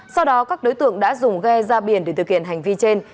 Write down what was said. sau đó các đối tượng đã dùng ghe ra biển để thực hiện hành vi trên